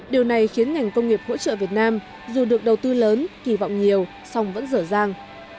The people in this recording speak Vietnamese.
điều này khiến ngành công nghiệp hỗ trợ việt nam dù được đầu tư lớn kỳ vọng nhiều song vẫn dở dàng